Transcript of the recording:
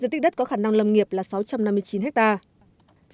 diện tích đất có khả năng lâm nghiệp là sáu trăm năm mươi chín hectare